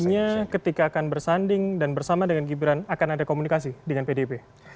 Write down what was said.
artinya ketika akan bersanding dan bersama dengan gibran akan ada komunikasi dengan pdip